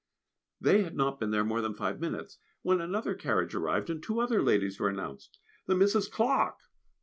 They had not been there more than five minutes when another carriage arrived, and two other ladies were announced. "The Misses Clark!"